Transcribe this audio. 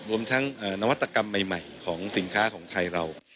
รวมทั้งนวัตกรรมใหม่ของสินค้าของไทยเรา